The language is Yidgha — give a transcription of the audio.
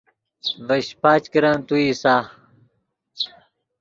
ڤے شیپچ کرن تو اِیسا